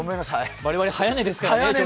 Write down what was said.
我々、早寝ですからね。